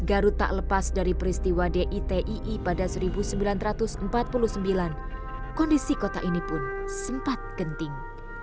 garut tak lepas dari peristiwa di tii pada seribu sembilan ratus empat puluh sembilan kondisi kota ini pun sempat genting